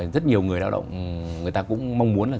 rất nhiều người lao động người ta cũng mong muốn là